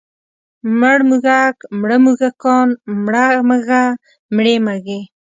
مړ موږک، مړه موږکان، مړه مږه، مړې مږې.